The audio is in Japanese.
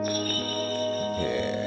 へえ。